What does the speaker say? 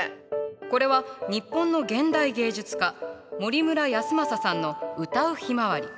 これは日本の現代芸術家森村泰昌さんの「唄うひまわり」。